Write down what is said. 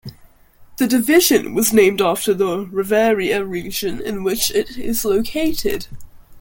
The division was named after the Riverina region in which it is located.